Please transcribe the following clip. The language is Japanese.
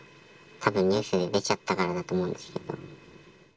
たぶん、ニュースで出ちゃったからだと思うんですけれども。